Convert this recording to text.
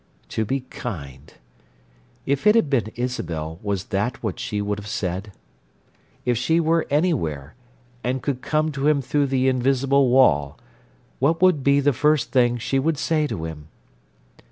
"To be kind!" If it had been Isabel, was that what she would have said? If she were anywhere, and could come to him through the invisible wall, what would be the first thing she would say to him?